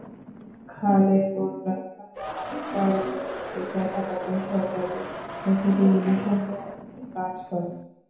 খালেকুর রহমান চালুর অপেক্ষায় থাকা বেসরকারি একটি টেলিভিশন চ্যানেলে কাজ করেন।